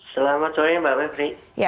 selamat sore mbak mepri